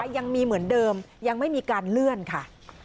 ยังมีเหมือนเดิมยังไม่มีการเลื่อนค่ะ